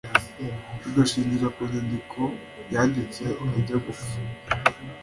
rugashingira ku nyandiko yanditse ajya gupfa